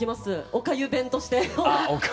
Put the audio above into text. おかゆ弁として。